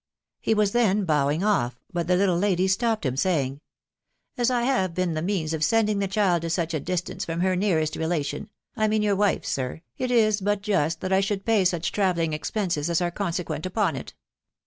)He was: then bowing *«ff, ibut the little lady; stopped thim, *ayin^> " As I have been theameaos of sending .the child to «awh a<dista«ce ffvom . her jwarest relation, I <mean your ^wife, sir, it 4e butrjnst that I ahoutd pay such travelling expenses as are • consequent upon 'it.